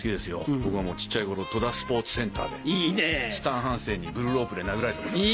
僕はもう小っちゃい頃戸田スポーツセンターでスタン・ハンセンにブルロープで殴られたことがあります。